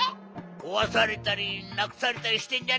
こわされたりなくされたりしてんじゃねえのけ？